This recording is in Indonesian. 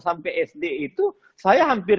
sampai sd itu saya hampir